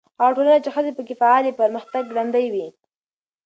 هغه ټولنه چې ښځې پکې فعالې وي، پرمختګ ګړندی وي.